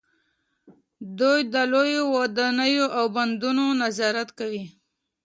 دوی د لویو ودانیو او بندونو نظارت کوي.